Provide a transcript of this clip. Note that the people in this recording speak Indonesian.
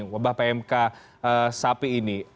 wabah pmk sapi ini